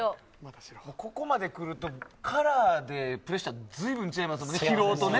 ここまでくるとカラーでプレッシャーが随分違いますね、疲労とね。